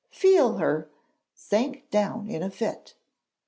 Feel her!' sank down in a fit.